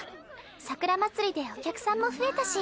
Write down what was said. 桜まつりでお客さんも増えたし。